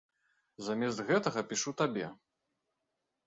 Замест гэтага пішу табе.